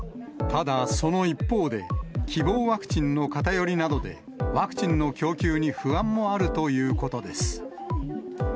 ただ、その一方で、希望ワクチンの偏りなどで、ワクチンの供給に不安もあるということです。